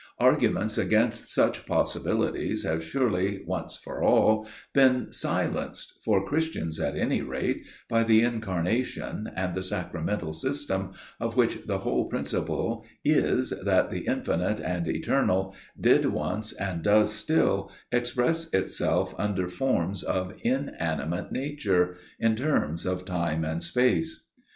Arguments against such possibilities have surely, once for all, been silenced, for Christians at any rate, by the Incarnation and the Sacramental system, of which the whole principle is that the Infinite and Eternal did once, and does still, express Itself under forms of inanimate nature, in terms of time and space.